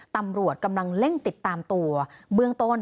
ตำรวจกำลังเร่งติดตามตัวเบื้องต้น